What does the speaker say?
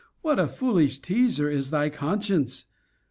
what a foolish teaser is thy conscience!